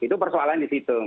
itu persoalan di situ